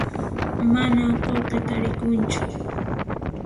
Manan qullqi tarikunchu